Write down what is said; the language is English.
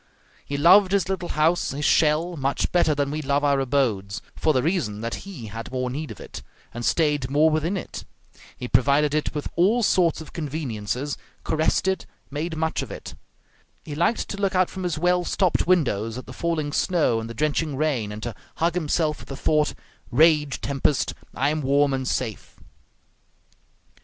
He loved his little house, his shell, much better than we love our abodes, for the reason that he had more need of it, and stayed more within it; he provided it with all sorts of conveniences, caressed it, made much of it; he liked to look out from his well stopped windows at the falling snow and the drenching rain, and to hug himself with the thought, "Rage, tempest, I am warm and safe!"